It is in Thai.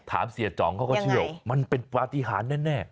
ถามเสียจ๋องเขาก็เชื่อว่ามันเป็นปฏิหารแน่